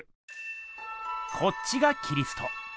こっちがキリスト。